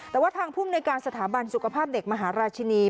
แต่ว่าทางภูมิในการสถาบันสุขภาพเด็กมหาราชินี